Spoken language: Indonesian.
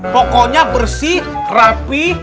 pokoknya bersih rapi